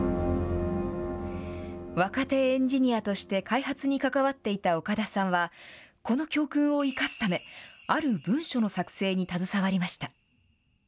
若手エンジニアとして開発に関わっていた岡田さんは、この教訓を生かすため、ある文書の作成に携わりました。